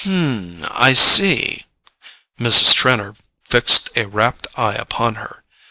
"H'm—I see." Mrs. Trenor fixed a rapt eye upon her.